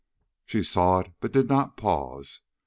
She saw it, but did not pause.